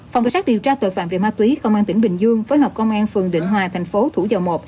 phòng cảnh sát điều tra tội phạm về ma túy công an tỉnh bình dương phối hợp công an phường định hòa thành phố thủ dầu một